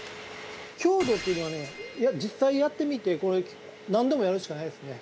強度っていうのはね実際やってみて何度もやるしかないですね。